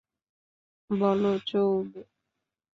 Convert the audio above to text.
বলো, চৌবে।